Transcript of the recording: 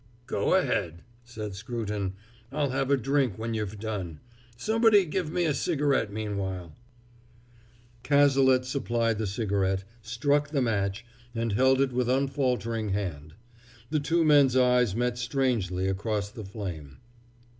"Go ahead," said Scruton. "I'll have a drink when you've done; somebody give me a cigarette meanwhile." Cazalet supplied the cigarette, struck the match, and held it with unfaltering hand. The two men's eyes met strangely across the flame.